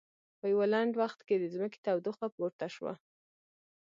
په یوه لنډ وخت کې د ځمکې تودوخه پورته شوه.